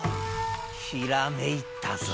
ひらめいたぞ。